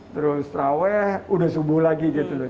terus raweh udah subuh lagi gitu loh